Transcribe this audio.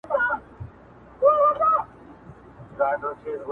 په ټولګیوالو کي مي لس فیصده کندهاریان نه ول